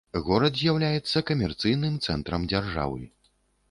Горад з'яўляецца камерцыйным цэнтрам дзяржавы.